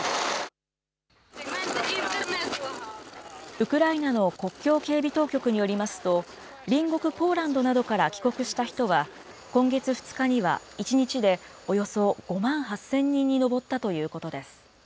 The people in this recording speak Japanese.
ウクライナの国境警備当局によりますと、隣国ポーランドなどから帰国した人は、今月２日には１日でおよそ５万８０００人に上ったということです。